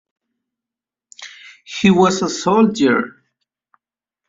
He was a soldier.